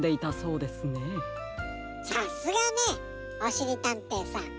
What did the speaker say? さすがねおしりたんていさん。